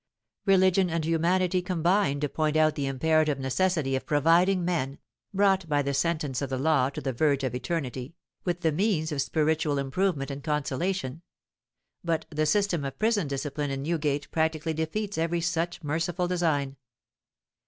Religion and humanity combine to point out the imperative necessity of providing men, brought by the sentence of the law to the verge of eternity, with the means of spiritual improvement and consolation; but the system of Prison Discipline in Newgate practically defeats every such merciful design.